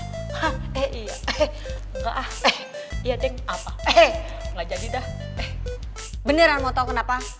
tau kenapa hah eh iya eh ah eh iya ting apa eh nggak jadi dah eh beneran mau tau kenapa